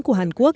của hàn quốc